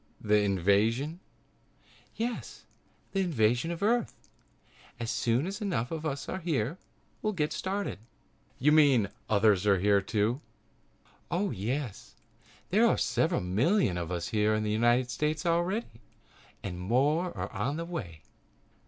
"The invasion?" "Yes, the invasion of Earth. As soon as enough of us are here we'll get started." "You mean there are others here, too?" "Oh, yes, there are several million of us here in the United States already and more are on the way."